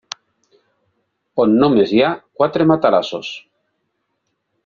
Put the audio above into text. On només hi ha quatre matalassos.